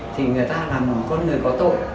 thì người ta là một con người có tội